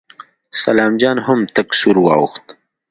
سلام جان هم تک سور واوښت.